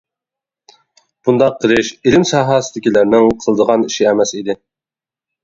بۇنداق قىلىش ئىلىم ساھەسىدىكىلەرنىڭ قىلىدىغان ئىشى ئەمەس ئىدى.